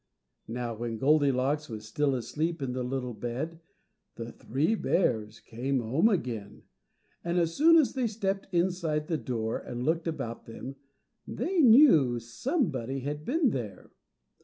Now while Goldilocks was still asleep in the little bed the three bears came home again, and as soon as they stepped inside the door and looked about them they knew that somebody had been there.